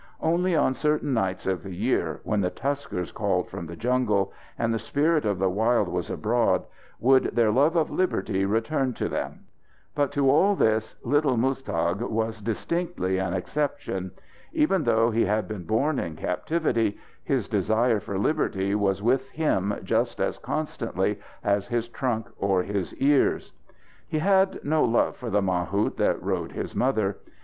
Only on certain nights of the year, when the tuskers called from the jungles, and the spirit of the wild was abroad, would their love of liberty return to them. But to all this little Muztagh was distinctly an exception. Even though he had been born in captivity, his desire for liberty was with him just as constantly as his trunk or his ears. He had no love for the mahout that rode his mother.